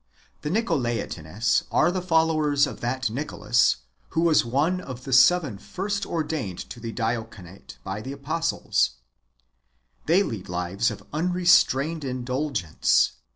The Nicolaitanes are the followers of that Nicolas who was one of the seven first ordained to the diaconatc by the apostles. They lead lives of unrestrained indulgence.